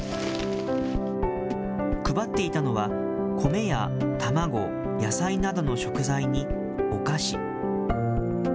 配っていたのは、米や卵、野菜などの食材に、お菓子。